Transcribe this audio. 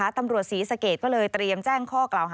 ตำรวจศรีสะเกดก็เลยเตรียมแจ้งข้อกล่าวหา